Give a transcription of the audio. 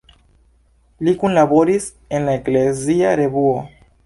Li kunlaboris en la Eklezia Revuo.